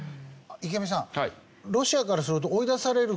池上さん